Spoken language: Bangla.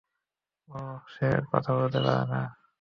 ওহ, সে কথাও বলতে পারে?